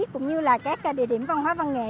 cũng như là các địa điểm văn hóa văn nghệ